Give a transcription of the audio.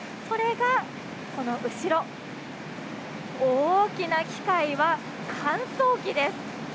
それが、この後ろ大きな機械は、乾燥機です。